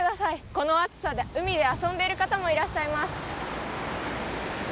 この暑さで海で遊んでいる方もいらっしゃいます。